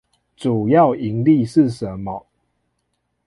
主要營力是什麼？